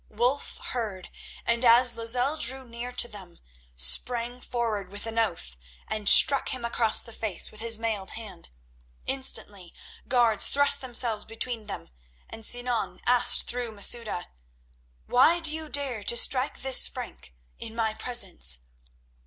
Wulf heard, and, as Lozelle drew near to them, sprang forward with an oath and struck him across the face with his mailed hand. Instantly guards thrust themselves between them, and Sinan asked through Masouda: "Why do you dare to strike this Frank in my presence?"